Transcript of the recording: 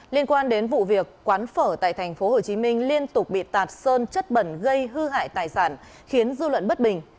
liên quan đến vụ việc quán phở tại thành phố hồ chí minh liên tục bị tạt sơn chất bẩn gây hư hại tài sản khiến dư luận bất bình